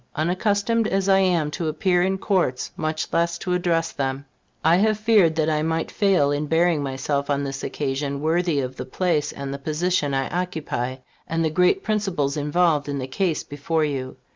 Unaccustomed as I am to appear in Courts, much less to address them, I have feared that I might fail in bearing myself on this occasion worthy of the place and the position I occupy, and the great principles involved in the case before you.